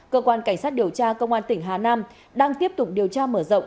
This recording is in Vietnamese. cơ quan cảnh sát điều tra công an tỉnh hà nam đang tiếp tục điều tra mở rộng